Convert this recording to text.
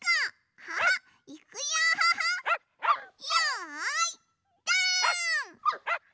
よいドン！